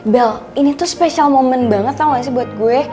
bel ini tuh special moment banget tau gak sih buat gue